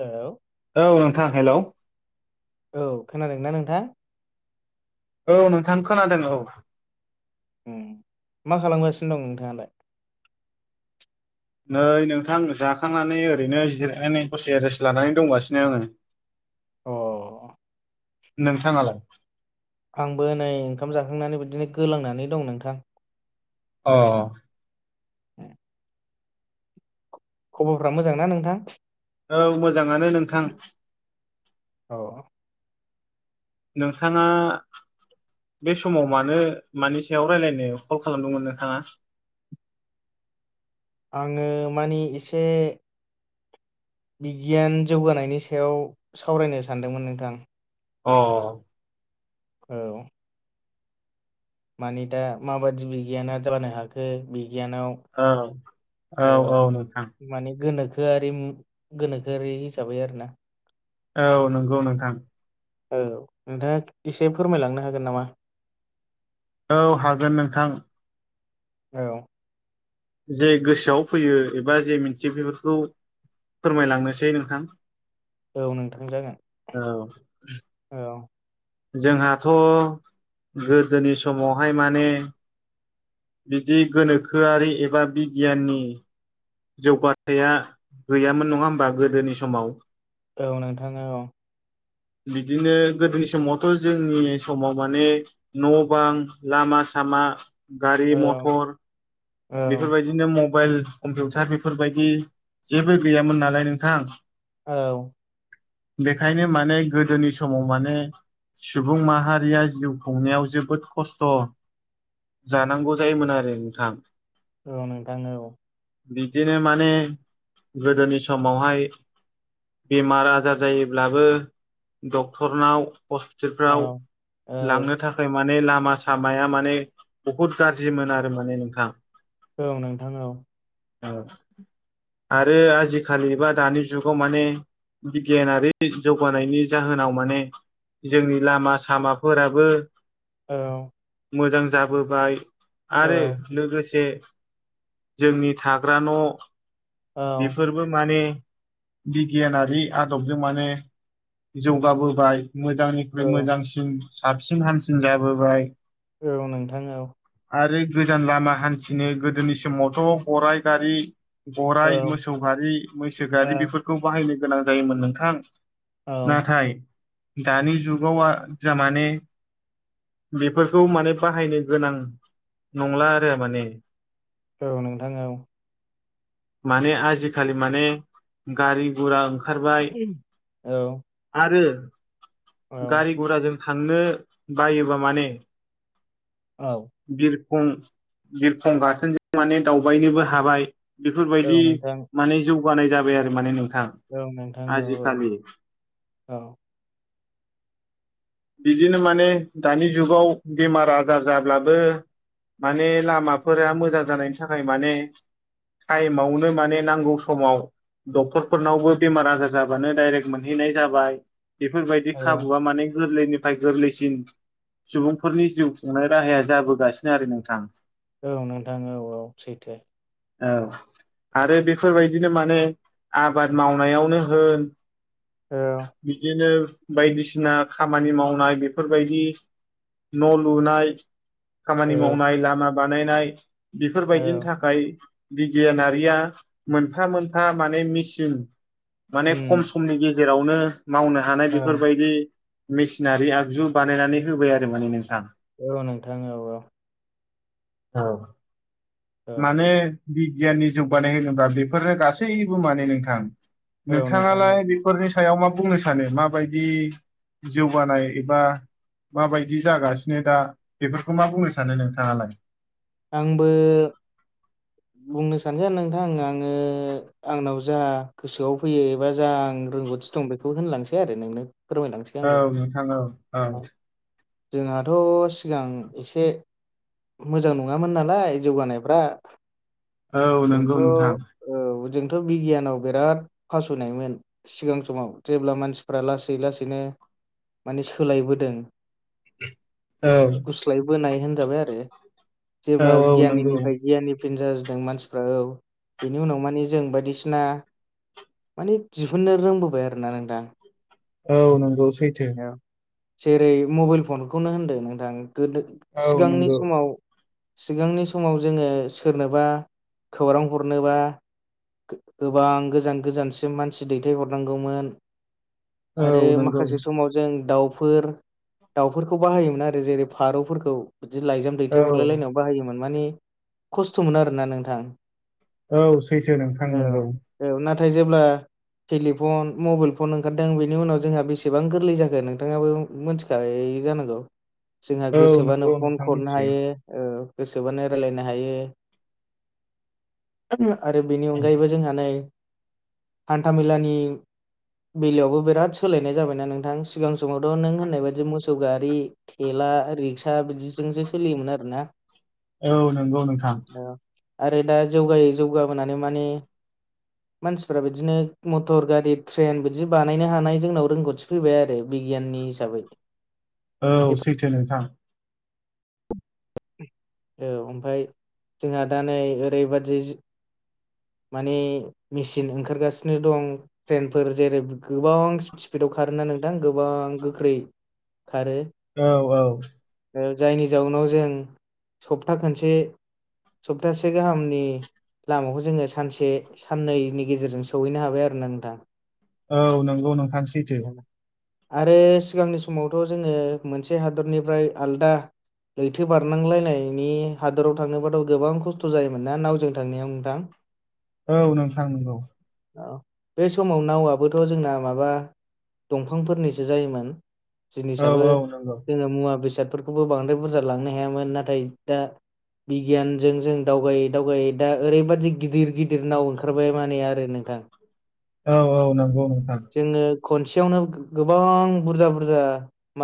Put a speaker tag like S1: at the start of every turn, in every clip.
S1: Hello
S2: औ नोंथां hello
S1: औ खोनादोंना नोंथां
S2: औ नोंथां खोनादों औ
S1: मा खालामगासिनो दं नोंथाङालाय
S2: नै नोंथां जाखांनानै ओरैनो जिरनानै दसे रेस्ट लानानै दंगासिनो आङो
S1: अ
S2: नोंथाङालाय
S1: आंबो नै ओंखाम जाखांनानै बिदिनो गोलांनानै दं नोंथां
S2: अ
S1: उ खबरफ्रा मोजां ना नोंथां
S2: औ मोजाङानो नोंथां
S1: औ
S2: नोंथाङा बे समाव मानो मानि सायाव रायलायनो कल खालामदोंमोन नोंथाङा
S1: आङो मानि एसे बिगियान जौगानायनि सायाव सावरायनो सानदोंमोन नोंथां
S2: अ
S1: औ मानि दा माबादि बिगियाना जानो हाखो बिगियानाव
S2: औ औ औ नोंथां
S1: माने गोनोखोआरि गोनोखोआरि हिसाबै आरो ना
S2: औ नंगौ नोंथां
S1: औ नोंथाङा एसे फोरमायलांनो हागोन नामा
S2: औ हागोन नोंथां
S1: औ
S2: जे गोसोआव फैयो एबा जे मिथियो बेफोरखौ फोरमायलांनोसै नोंथां
S1: औ नोंथां जागोन
S2: औ
S1: औ
S2: जोंहाथ' गोदोनि समावहाय माने बिदि गोनोखोआरि एबा बिगियाननि जौगाथाया गैयामोन नङा होमबा गोदोनि समाव
S1: औ नोंथां औ
S2: बिदिनो गोदोनि समावथ' जोंनि समाव माने न' बां लामा सामा
S1: औ
S2: गारि मथर
S1: औ
S2: बेफोरबाय बिदिनो मबाइल कम्पिउटार बेफोरबायदि जेबो गैयामोन नालाय नोंथां
S1: औ
S2: बेखायनो माने गोदोनि समाव माने सुबुं माहारिया जिउ खुंनायाव जोबोद खस्थ' जानांगौ जायोमोन आरो नोंथां
S1: औ नोंथां औ
S2: बिदिनो माने गोदोनि समावहाय बेमार आजार जायोब्लाबो डक्टरनाव
S1: औ
S2: हस्पिटालफ्राव
S1: औ
S2: लांनो था खाय माने लामा सामाया माने बहुद गाज्रिमोन आरो माने नोंथाङा
S1: औ नोंथां औ
S2: औ आरो आजिखालि बा दानि जुगाव माने बिगियानारि जौगानायनि जाहोनाव माने जोंनि लामा सामाफोराबो
S1: औ
S2: मोजां जाबोबाय
S1: औ
S2: आरो लोगो से जोंनि थाग्रा न'
S1: औ
S2: बेफोर बो माने बिगियानारि आदबजों माने जौगाबोबाय मोजांनिख्रुइ मोजांसिन साबसिन हामसिन जाबोबाय
S1: औ नोंथां औ
S2: आरो गोजान लामा हान्थिनो गोदोनि समावथ' गरराय गारि
S1: औ
S2: गराय मोसौ गारि मैसो
S1: औ
S2: गारि
S1: औ
S2: बेफोरखौ बाहायनो गोनां जायोमोन नोंथां नाथाय दानि जुगाव आ जामाने बेफोरखौ माने बाहायनो गोनां नंला आरो माने
S1: औ नोंथां औ
S2: माने आजिखालि माने गारि गुरा ओंखारबाय
S1: औ
S2: आरो
S1: औ
S2: गारि गुराजों थांनो बायोबा माने
S1: औ
S2: बिरखं बिरखं गाथोनजों माने दावबायनोबो हाबाय
S1: औ
S2: बेफोरबायदि
S1: नोंथां
S2: माने जौगानाय जाबाय आरो माने नोंथां
S1: औ नोंथां औ
S2: आजिखालि
S1: औ [inaudible]
S2: बिदिनो माने दानि जुगाव बेमार आजार जाब्लाबो माने लामाफोरा मोजां जानायनि थाखाय माने टाइमावनो माने नांगौ समाव डक्टरफोरनावबो बेमार आजार जाबानो डाइरेक्ट मोनहैनाय जाबाय बेफोरबायदि खाबुआ माने गोरलैनि नाथाय गोरलैसिन सुबुंफोरनि जिउ खुंनाय राहाया जाबोगासिनो आरो नोंथां
S1: औ नोंथां औ-औ सैथो
S2: औ आरो बेफोरबायदिनो माने आबाद मावनायावनो होन
S1: औ
S2: बिदिनो बायदिसिना खामानि मावनाय बेफोरबायदि न' लुनाय खामानि
S1: औ
S2: मावनाय लामा बानायनाय
S1: औ
S2: बेफोरबायदिनि थाखाय बिगियानारिया मोनफा मोनफा माने मेसिन माने खम
S1: उम
S2: समनि गेज जेरावनो मावनो हानाय
S1: औ
S2: बेफोरबायदि मेसिनारि आगजु बानायनानै होबाय आरो माने नोंथां
S1: औ नोंथां औ-औ
S2: औ
S1: औ
S2: माने बिगियाननि जौगानाय होनोब्ला बेफोरनो गासैबो माने नोंथां
S1: औ नोंथां औ
S2: नोंथाङालाय बे फोरनि सायाव मा बुंनो सानो माबायदि जौगानाय एबा माबायदि जागासिनो दा बेफोरखौ मा बुंनो सानो नोंथाङालाय
S1: आंबो बुंनो सानगोन नोंथां आङो आंनाव जा गोसोआव फैयो एबा जा आं रोंगौथि दं बेखौ होनलांनोसै आरो नोंनो फोरमायलांसै आंबो
S2: औ नोंथां औ-औ
S1: जोंहाथ' सिगां एसे मोजां नङामोन नालाय जौगानायफ्रा
S2: औ
S1: जोंथ'
S2: नंगौ नोंथां
S1: औ जोंथ' बिगियानाव बिराद फासयनायमोन सिगां समाव जेब्ला मानसिफ्रा लासै लासैनो माने सोलायबोदों
S2: औ
S1: गुस्लायबोनाय होनजाबाय आरो
S2: औ
S1: जेब्ला
S2: औ नंगौ
S1: गियानिनिफ्राय गियानिफिन जाजोबदों मानसिफ्रा औ बेनि उनाव मानिे जों बायदिसिना माने दिहुननो रोंबोबाय आरो ना नोंदां
S2: औ नंगौ सैथो
S1: जेरै मबाइल फनखौनो होनदों नोंथां गोदो
S2: औ
S1: सिगांनि
S2: नंगौ
S1: समाव सिगांनि समाव जोङो सोरनोबा खौरां हरनोबा गोबां गोजान गोजानसिम मानसि दैथायहरनांगौमोन आरो
S2: औ नंगौ
S1: माखासे समाव जों दाउफोर दाउफोरखौ बाहायोमोन आरो जेरै फारौफोरखौ बिदि लाइजाम
S2: औ
S1: दैथाय हरलायलायनायाव बाहायोमोन माने खस्थ'मोन आरोना नोंथां
S2: औ सैथो नोंथां
S1: औ
S2: नंगौ
S1: औ नाथाय जेब्ला टेलिफन मबाइल फन ओंखारदों बेनि उनाव जोंहा बेसेबां गोरलै जाखो नोंथाङाबो मोनथि- खायो जानांगौ जोंहा
S2: औ
S1: गोसोबानो
S2: नंगौ
S1: फन
S2: नोंथां
S1: हरनो
S2: मिथियो
S1: हायो औ गोसोबानो रायलायनो हायो आरो बेनि
S2: औ
S1: अनगायैबो जोंहा नै हान्थामेलानि बेलायावबो बिराद सोलायनाय जाबायना नोंथां सिगां समावथ' नों होननाय बादि मोसौ गारि थेला रिक्सा बिदिजोंसो सोलियोमोन आरो ना
S2: औ नंगौ नोंथां
S1: आरो दा जौगायै जौगाबोनानै माने मानसिफ्रा बिदिनो मटर गारि ट्रेन बिदि बानायनो हानाय जोंनाव रोंगौथि फैबाय आरो बिगियाननि हिसाबै
S2: औ सैथो नोंथां
S1: औ ओमफ्राय जोंहा दा नै ओरैबादि माने मेचिन ओंखारगासिनो दं ट्रेनफोर जेरै गोबां स्पिडाव खारो ना नोंथां गोबां गोख्रै खारो
S2: औ औ
S1: जायनि जाउनाव जों सप्ता खनसे सप्तासे गाहामनि लामाखौ जोङो सानसे साननैनि गेजेरजों सहैनो हाबाय आरो ना नोंथां
S2: औ नंगौ नोंथां सैथो
S1: आरो सिगांनि समावथ' जोङो मोनसे हादरनिफ्राय आलदा लैथो बारनांलायनायनि हादोराव थांनोबाथ' गोबां खस्थ' जायोमोन ना नावजों थांनायाव नोंथां
S2: औ नोंथां नंगौ
S1: औ बे समाव नावाबोथ' जोंना माबा दंफांफोरनिसो जायोमोन
S2: औ
S1: जिनिसाबो
S2: औ नंगौ
S1: जोङो मुवा बेसादफोरखौबो बांद्राय बुरजा लांनो हायामोन नाथाय दा बिगियानजों जों दावगायै दावगायै दा ओरैबादि गिदिर गिदिरनाव ओंखारबाय मानि आरो नोंथां
S2: औ औ नंगौ नोंथां
S1: जोङो खनसेयावनो गोबां बुरजा बुरजा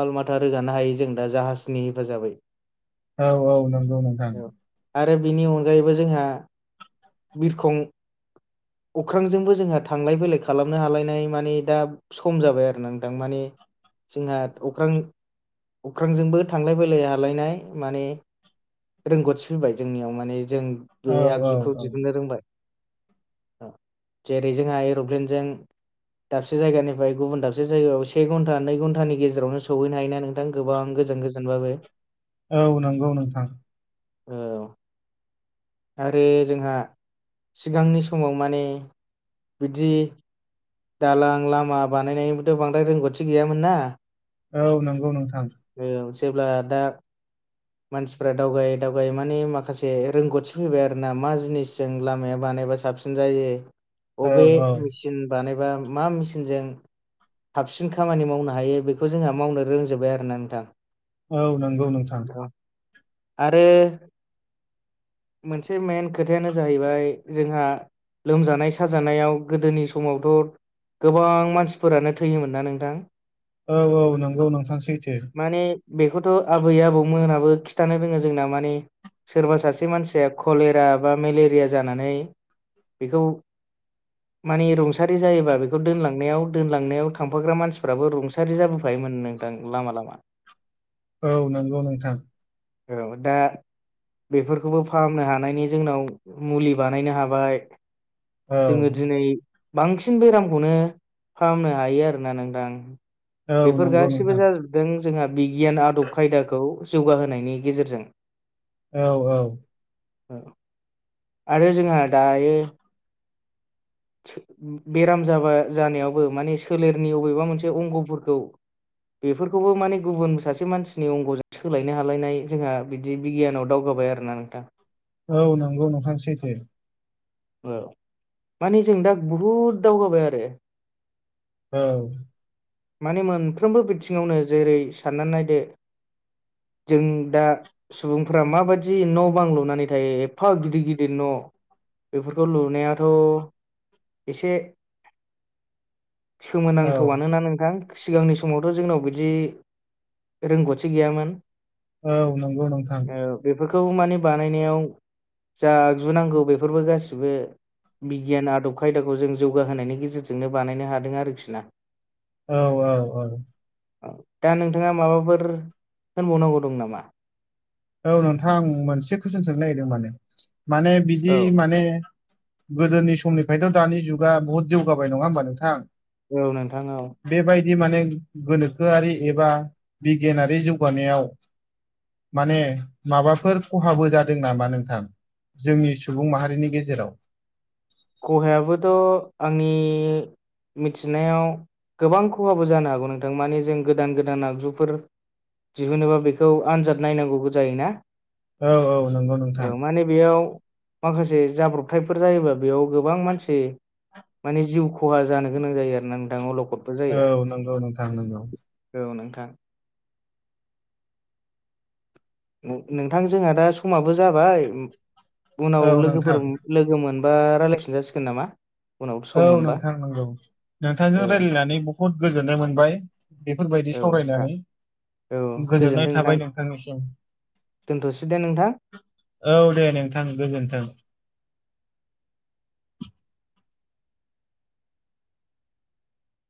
S1: माल माथा रोगानो हायो जों दा जाहाजनि हेफाजाबै
S2: औ औ नंगौ नोंथां
S1: औ आरो बिनि अनगायैबो जोंहा बिरखं अख्रांजोंबो जोंहा थांलाय फैलाय खालामनो हालायनाय माने दा सम जाबाय आरो ना नोंथां माने जोंहा अख्रां अख्रांजोंबो थांलाय फैलाय हालायनाय माने रोंगथि फैबाय जोंनियाव माने जों बे
S2: औ औ
S1: आगजुखौ
S2: औ
S1: दिहुननो रोंबाय। जेरै जोंहा एर'प्लेनजों दाबसे जायगानिफ्राय गुबुन दाबसे जायगायाव से घन्टा नै घन्टानि गेजेरावनो सहैनो हायो ना नों- थां गोबां गोजान गोजानबाबो
S2: औ नंगौ नोंथां
S1: औ आरो जोंहा सिगांनि समाव माने बिदि दालां लामा बानायनायनिबोथ' बांद्राय रोंगौथि गैयामोन ना
S2: औ नंगौ नोंथां
S1: औ जेब्ला दा मानसिफ्रा दावगायै दावगायै माने माखासे रोंगौथि फैबाय आरो ना मा जिनिसजों लामाया बानायबा साबसिन जायो
S2: औ
S1: बबे
S2: औ
S1: मेचिन बानायबा मा मेचनजों थाबसिन खामानि मावनो हायो बेखौ जोंहा मावनो रोंजोब्बाय आरोना नोंथां।
S2: औ नंगौ नोंथां।
S1: आरो मोनसे मेन खोथायानो जाहैबाय जोंहा लोमजानाय साजानायाव गोदोनि समावथ' गोबां मानसिफोरानो थैयोमोन ना नोंथां।
S2: औ औ नंगौ नोंथांसैथो
S1: माने बेखौथ' आबै आबौमोनाबो खिन्थानो रोङो जोंना माने सोरबा सासे मानसिया कलेरा बा मेलेरिया जानानै बेखौ [inaudible] मानिे रुंसारि जायोबा बेखौ दोनलांनायाव दोनलांनायाव थांफाग्रा मानसिफ्राबो रुंसारि जाबोफायोम नों लामा लामा
S2: औ नंगौ नोंथां।
S1: औ दा बेफोरखौबो फाहामनो हानायनि जोंनाव मुलि बानायनो हाबाय
S2: औ
S1: जोङो दिनै बांसिन बेरामखौनो फाहामनो हायो आरोना नोंथां।
S2: औ
S1: बेफोर
S2: नंगौ
S1: गाससिबो
S2: नोंथां
S1: जाजोब जोंहा बिगियान आदब खायदाखौ जौगाहोनायनि गेजेरजों
S2: औ औ‌।
S1: आरो जोंहा दायो। बेराम जाबा जानायावबो माने सोलेरनि अबेबा मोनसे अंग'फोरखौ बेफोरखौबो माने गुबुन सासे मानसिनि अंग जा सोलायनो हालायनाय जोंहा बिदि बिगियानाव दावगाबाय आरोना नोंथां।
S2: औ नंगौ नोंथां सैथो।
S1: औ माने जों दा बहुद दावगाबाय आरो
S2: औ
S1: माने मोनफ्रोमबो बिथिङावनो जेरै साननानै नायदो जों दा सुबुंफोरा माबायदि न' बां लुनानै थायो एफा गिदिर गिदिर न' बेफोरखौ लुनायाथ' एसे
S2: औ
S1: सोमोनांथाव आनोना नोंथां। सिगांनि समावथ' जोंनाव बिदि रोंगौथि गैयामोन।
S2: औ नंगौ नोंथां।
S1: ओ बेफोरखौ मानि बानायनायाव जा आगजुुनांगौ बेफोरबो गासिबो बिगियान आदब खायदाखौ जों जौगाहोनायनि गेजेरजोंनो बानायनो हादों आरोखि ना
S2: औ औ औ।
S1: औ दा नोंथांङा माबाफोर होनबावनांगौ दं नामा?
S2: औ नोंथां आं मोनसे कुइसन सोंनो नागिरदों माने माने
S1: औ
S2: बिदि माने गोदोनि समनिफ्रायथ' दानि जुगा बुहुत जौगाबाय नंङा होमबा नोंथां?
S1: औ नोंथां औ।
S2: बेबायदि माने गोनोखोआरि एबा बिगियानारि जौगानायाव माने माबाफोर खहाबो जादों नामा नोंथां जोंनि सुबुं माहारिनि गेजेराव
S1: खहायाबोथ' आंनि मिथिनायाव गोबां खहाबो जानो हागौ नोंथां माने जों गोदान गोदान आगजुफोर दिहुनबा बेखौ आनजाद नायनांगौ जायोना।
S2: औ औ नंगौ नोंथां।
S1: ओ माने बेयाव माखासे जाब्रबथायफोर जायोबा बेयाव गोबां मानसि माने जिउ खहा जानो गोनां जायो आरो ना नोंथां लखब
S2: औ नंगौ नोंथां नंगौ।
S1: औ नोंथां। नोंथां जोंहा दा समाबो जाबाय उनाव
S2: औ नोंथां
S1: लोगोफोर लोगो मोनबा रायज्लायफिन जासिगोन नामा? उनाव
S2: औ
S1: सम मोनबा
S2: नोंथां नंगौ नोंथांजों
S1: औ
S2: रायजलायनानै बहुद गोजोननाय मोनबाय। बेफोरबायदि
S1: औ नोंथां
S2: सावरायनानै
S1: औ गोजोनथों
S2: गोजोननाय
S1: नोंथां
S2: थाबाय नोंथांनिसिम
S1: दोनथ'सै दे नोंथां
S2: औ दे नोंथां गोजोन्थों।